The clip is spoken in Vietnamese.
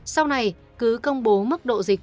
sau này cứ công bố mức độ dịch